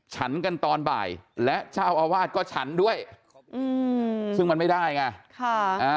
ฉันกันตอนบ่ายและจ้าวาดก็ฉันด้วยซึ่งมันไม่ได้ไง